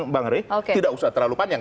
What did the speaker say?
bang rey tidak usah terlalu panjang